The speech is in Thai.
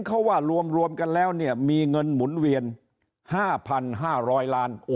เขาว่ารวมกันแล้วเนี่ยมีเงินหมุนเวียน๕๕๐๐ล้าน